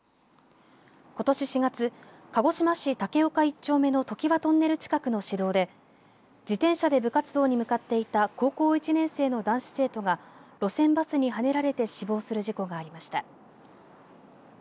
ことし４月鹿児島市武岡１丁目の常磐トンネル近くの市道で自転車で部活動に向かっていた高校１年生の男子生徒が路線バスにはねられて死亡する事故がありました。